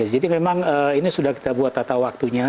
jadi memang ini sudah kita buat tata waktunya